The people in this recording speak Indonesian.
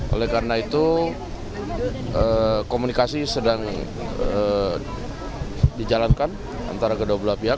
oleh karena itu komunikasi sedang dijalankan antara kedua belah pihak